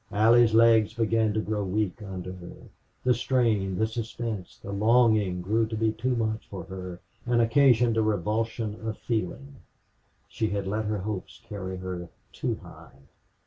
Allie's legs began to grow weak under her. The strain, the suspense, the longing grew to be too much for her and occasioned a revulsion of feeling. She had let her hopes carry her too high.